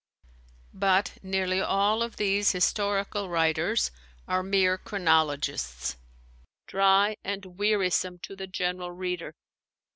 But nearly all of these historical writers are mere chronologists, dry and wearisome to the general reader.